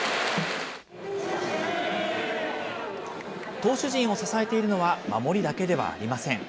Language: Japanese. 投手陣を支えているのは、守りだけではありません。